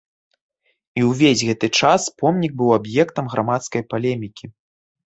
І ўвесь гэты час помнік быў аб'ектам грамадскай палемікі.